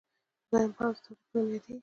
دویم پړاو د تولید په نوم یادېږي